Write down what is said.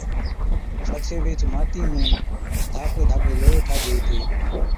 پڇي ويهچ ماٽِي ڌاڪڙي ڌاڪڙي لوئِيئَي ٺاهجي هِتي